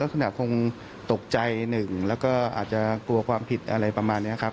คงตกใจหนึ่งแล้วก็อาจจะกลัวความผิดอะไรประมาณนี้ครับ